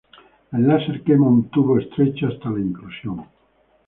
El láser quema un tubo estrecho hasta la inclusión.